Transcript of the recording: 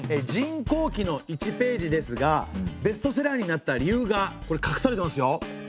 「塵劫記」の１ページですがベストセラーになった理由がかくされてますよ。